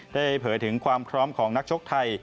เผยถึงความพร้อมของนักชกไทย